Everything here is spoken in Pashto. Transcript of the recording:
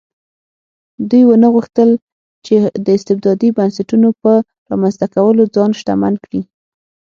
دوی ونه غوښتل چې د استبدادي بنسټونو په رامنځته کولو ځان شتمن کړي.